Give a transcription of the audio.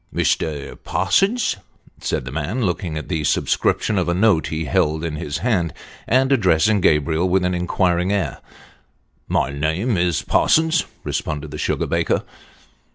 " Mr. Parsons ?" said the man, looking at the superscription of a note he held in his hand, and addressing Gabriel with an inquiring air. " My name is Parsons," responded the sugar baker.